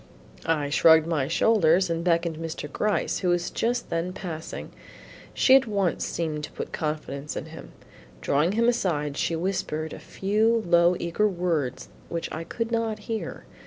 I shrugged my shoulders and beckoned to Mr. Gryce who was just then passing. She at once seemed to put confidence in him. Drawing him aside, she whispered a few low eager words which I could not hear.